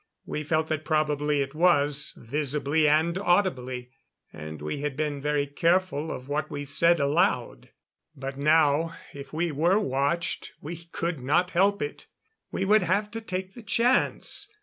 We felt that probably it was, visibly and audibly; and we had been very careful of what we said aloud. But now, if we were watched, we could not help it; we would have to take the chance.